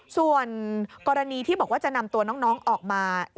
ส่วนกรณีที่บอกว่าจะนำตัวน้องออกมา